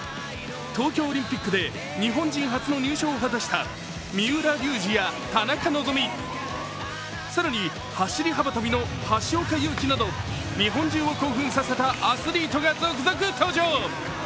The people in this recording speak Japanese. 東京オリンピックで日本人初の入賞を果たした三浦龍司や田中希実更に走り幅跳びの橋岡優輝など日本中を興奮させたアスリートが続々登場。